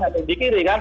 ada yang di kiri kan